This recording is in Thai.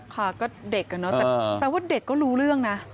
ค่ะก็เด็กอะเนาะแต่แปลว่าเด็กก็รู้เรื่องนะ